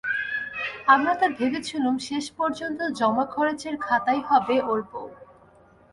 আমরা তো ভেবেছিলুম শেষ পর্যন্ত জমাখরচের খাতাই হবে ওর বউ।